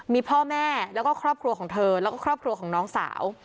มีพ่อแม่แล้วก็ครอบครัวของเธอแล้วก็ครอบครัวของน้องสาว